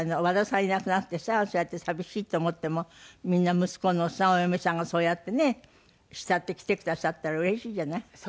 和田さんいなくなってさそうやって寂しいって思ってもみんな息子のお嫁さんがそうやってね慕って来てくださったらうれしいじゃない。